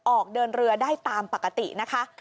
ออกเดินเรือได้ตามปกตินะคะ